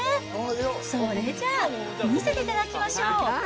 それじゃあ、見せていただきましょう。